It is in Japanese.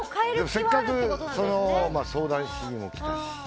せっかく相談しに来たし。